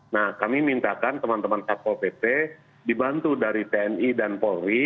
nah kami mintakan teman teman satpol pp dibantu dari tni dan polri